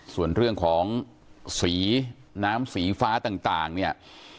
ส่วนเรื่องของสีน้ำสีฟ้าต่างเนี่ย